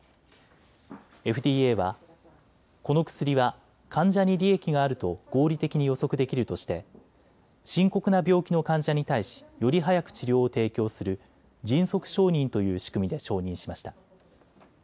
ＦＤＡはこの薬は患者に利益があると合理的に予測できるとして深刻な病気の患者に対しより早く治療を提供する迅速承認という仕組みで承認しました。